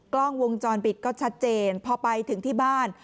กล้องวงจรปิดก็ชัดเจนพอไปถึงที่บ้าน